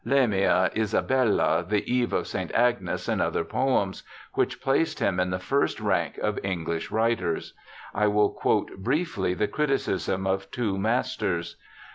Lamia, Isabella, The Eve of St. Agnes, and other poems, which placed him in the first rank of English writers. I will quote briefly the criticisms of two masters.